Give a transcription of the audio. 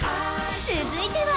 続いては